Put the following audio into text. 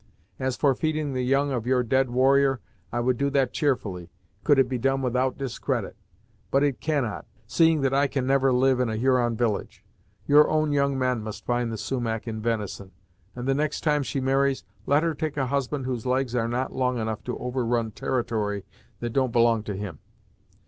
As for feeding the young of your dead warrior, I would do that cheerfully, could it be done without discredit; but it cannot, seeing that I can never live in a Huron village. Your own young men must find the Sumach in venison, and the next time she marries, let her take a husband whose legs are not long enough to overrun territory that don't belong to him.